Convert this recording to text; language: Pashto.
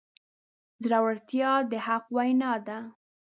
زړورتیا د حق وینا ده.